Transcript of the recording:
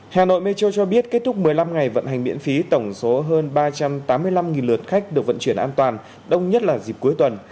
hà nội metro cho biết kết thúc một mươi năm ngày vận hành miễn phí tổng số hơn ba trăm tám mươi năm lượt khách được vận chuyển an toàn đông nhất là dịp cuối tuần